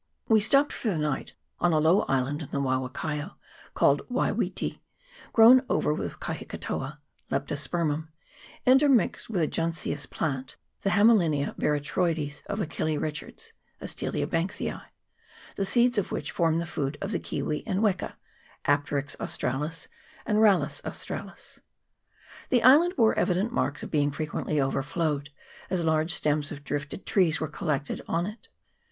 We stopped for the night on a low island in the Waiwakaio, called Waiwiti, grown over with kahi katoa (Leptospermum), intermixed with a junceous plant, the Hamelinia veratroides of Achille Richard (Astelia Banksii), the seeds of which form the food of the kiwi and weka (Apterix Australis and Ral 150 RETURN TO [PART I. lus Australis). The island bore evident marks of being frequently overflowed, as large stems of drifted trees were collected on it.